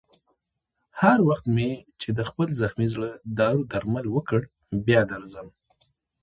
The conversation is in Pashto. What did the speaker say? هر وخت مې چې د خپل زخمي زړه دارو درمل وکړ، بیا درځم.